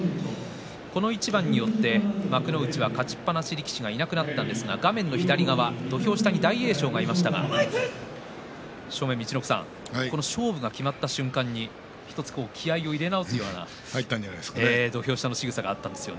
この一番によって幕内は勝ちっぱなしの力士がいなくなったんですが画面の左下、土俵下に大栄翔がいましたが勝負が決まった瞬間に１つ気合いを入れ直すような土俵下のしぐさがありました。